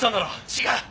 違う！